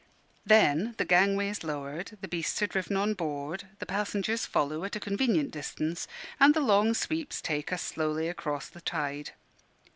Then the gangway is lowered, the beasts are driven on board, the passengers follow at a convenient distance, and the long sweeps take us slowly across the tide.